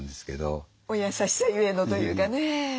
お優しさゆえのというかね。